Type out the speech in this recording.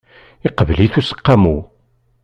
Iqbel-it useqqamu.